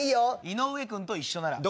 「井上君と一緒なら」。